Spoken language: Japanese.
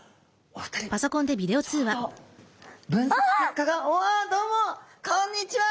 おおっどうもこんにちは。